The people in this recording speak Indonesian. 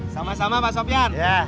sama sama pak sofyan